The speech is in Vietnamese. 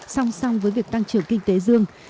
song song với việc tăng trưởng kinh tế dương